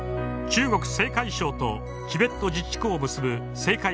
中国・青海省とチベット自治区を結ぶ青海